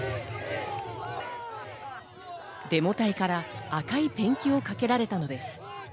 デモ隊から赤いペンキをかけられたのです。